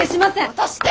渡して！